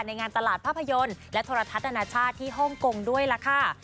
งานตลาดภาพยนตร์และโทรทัศน์อนาชาติที่ฮ่องกงด้วยล่ะค่ะ